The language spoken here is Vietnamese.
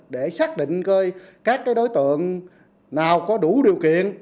để xác định các đối tượng nào có đủ điều kiện